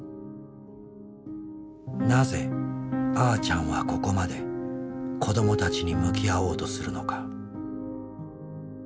なぜあーちゃんはここまで子どもたちに向き合おうとするのか。